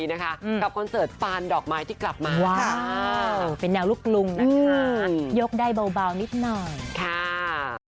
ก็เลยคิดว่าก็สร้างงานทิ้งเอาไว้ก็ดีเหมือนกัน